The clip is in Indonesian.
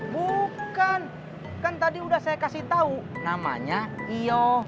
bukan kan tadi udah saya kasih tau namanya iyoh